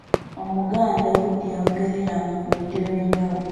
Omuganda obudde yabugereranga ku bintu eby'enjawulo.